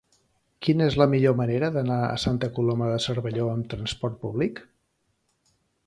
Quina és la millor manera d'anar a Santa Coloma de Cervelló amb trasport públic?